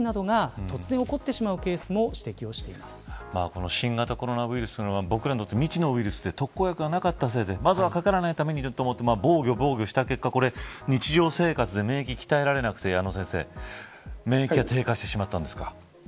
この新型コロナウイルスは僕らにとって未知のウイルスで特効薬がなかったせいでまずは、かからないためにということで防御した結果日常生活で免疫が鍛えられなくて免疫が低下してしまったんですか。